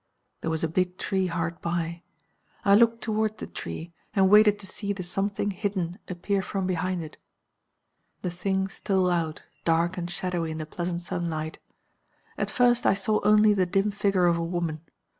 "There was a big tree hard by. I looked toward the tree, and waited to see the something hidden appear from behind it. "The Thing stole out, dark and shadowy in the pleasant sunlight. At first I saw only the dim figure of a woman.